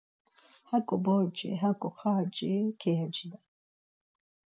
Haǩo borci, haǩo xarci kyacinen